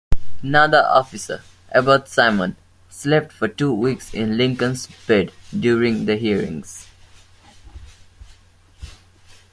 Another officer, Abbott Simon, slept for two weeks in Lincoln's bed during the hearings.